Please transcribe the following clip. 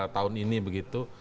tahun ini begitu